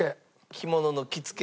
着物の着付け。